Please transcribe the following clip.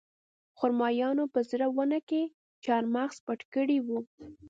خرمایانو په زړه ونه کې چارمغز پټ کړي وو